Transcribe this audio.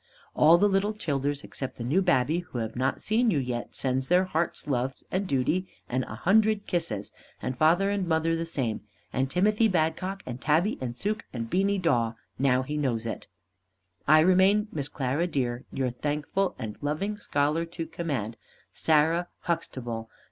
All the little childers except the new babby who have not seen you yet, sends their hearts' loves and duty and a hundred kisses, and father and mother the same, and Timothy Badcock, and Tabby, and Suke, and Beany Dawe, now he knows it. I remain, Miss Clara dear, your thankful and loving scholar to command, SARAH HUXTABLE.